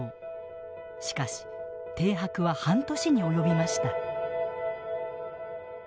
しかし停泊は半年に及びました。